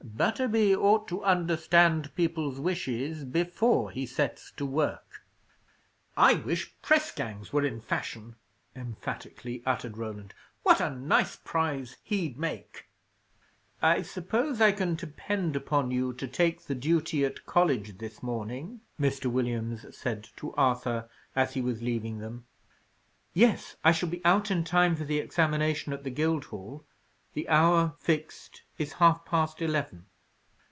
Butterby ought to understand people's wishes, before he sets to work." "I wish press gangs were in fashion!" emphatically uttered Roland. "What a nice prize he'd make!" "I suppose I can depend upon you to take the duty at College this morning?" Mr. Williams said to Arthur, as he was leaving them. "Yes, I shall be out in time for the examination at the Guildhall. The hour fixed is half past eleven."